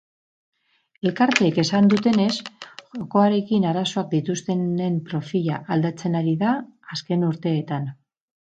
Elkarteek esan dutenez, jokoarekin arazoak dituztenen profila aldatzen ari da azken urteetan.